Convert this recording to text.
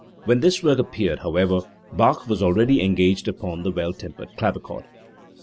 When this work appeared, however, Bach was already engaged upon the Well tempered Clavichord.